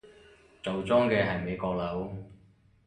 做莊嘅係美國佬